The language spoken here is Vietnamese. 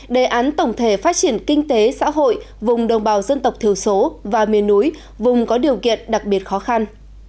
đề án tổng thể phát triển kinh tế xã hội vùng đồng bào dân tộc thiểu số và miền núi vùng có điều kiện đặc biệt khó khăn